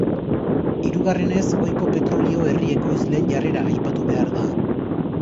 Hirugarrenez, ohiko petrolio herri ekoizleen jarrera aipatu behar da.